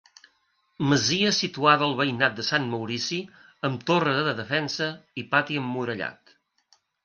Masia situada al veïnat de Sant Maurici amb torre de defensa i pati emmurallat.